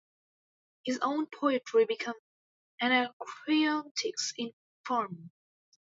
His own poetry became Anacreontics in form.